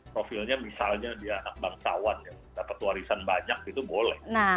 profilnya misalnya dia anak bangsawan yang dapat warisan banyak itu boleh